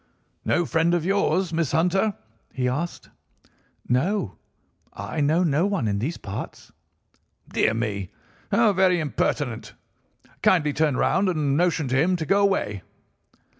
"'No friend of yours, Miss Hunter?' he asked. "'No, I know no one in these parts.' "'Dear me! How very impertinent! Kindly turn round and motion to him to go away.